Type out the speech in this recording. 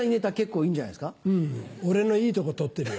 うん俺のいいとこ取ってるよ。